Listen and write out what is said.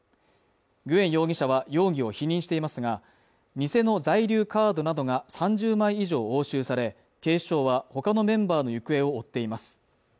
グエン容疑者は容疑を否認していますが、偽の在留カードなどが３０枚以上押収され、警視庁は他のメンバーの行方を追っています。